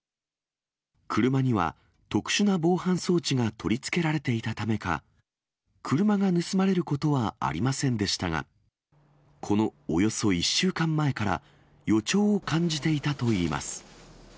車には特殊な防犯装置が取り付けられていたためか、車が盗まれることはありませんでしたが、このおよそ１週間前から、予兆を感じていたといいます。